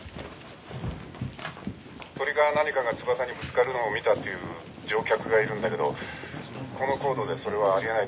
鳥か何かが翼にぶつかるのを見たという乗客がいるんだけどこの高度でそれはあり得ないと思う。